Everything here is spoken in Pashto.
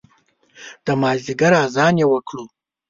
د مازدیګر اذان یې وکړو